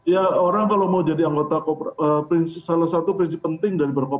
ya orang kalau mau jadi anggota kooperasi salah satu prinsip penting dari berkomi